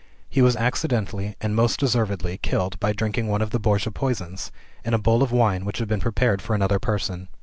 He was accidentally, and most deservedly, killed by drinking one of the Borgia poisons, in a bowl of wine which he had prepared for another person.